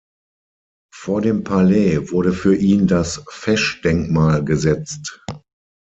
Vor dem Palais wurde für ihn das Fesch-Denkmal gesetzt.